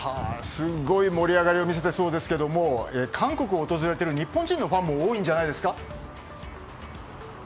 すごい盛り上がりを見せてそうですけど韓国を訪れている日本人のファンも多いんじゃないですか？